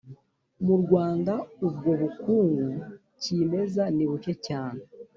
mu rwanda ubwo bukungu cyimeza ni buke cyane.